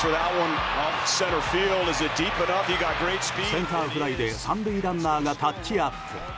センターフライで３塁ランナーがタッチアップ。